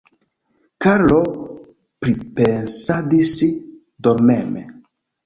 Karlo pripensadis dormeme.